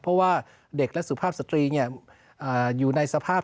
เพราะว่าเด็กและสุภาพสตรีอยู่ในสภาพ